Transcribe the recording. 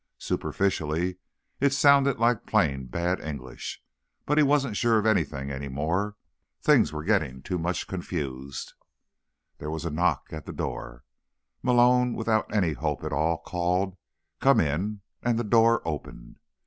Superficially, it sounded like plain bad English, but he wasn't sure of anything any more. Things were getting much too confused. There was a knock at the door. Malone, without any hope at all, called: "Come in," and the door opened.